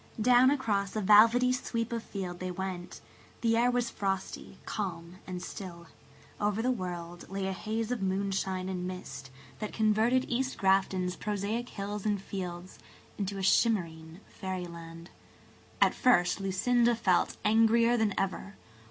Down across a velvety sweep of field they went; the air was frosty, calm and still; over the world lay a haze of moonshine [Page 150] and mist that converted East Grafton's prosaic hills and fields into a shimmering fairyland. At first Lucinda felt angrier than ever.